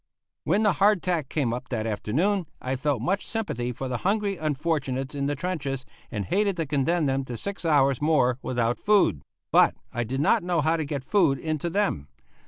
When the hardtack came up that afternoon I felt much sympathy for the hungry unfortunates in the trenches and hated to condemn them to six hours more without food; but I did not know how to get food into them.